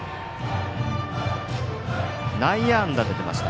内野安打で出ました。